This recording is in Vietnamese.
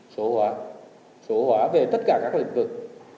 sổ hóa sổ hóa về tất cả các lĩnh vực